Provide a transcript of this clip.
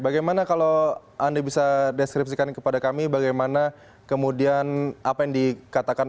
bagaimana kalau anda bisa deskripsikan kepada kami bagaimana kemudian apa yang dikatakan